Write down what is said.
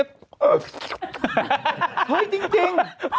เฮ่ยจริง